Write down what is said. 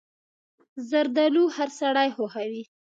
زردالو هر سړی خوښوي.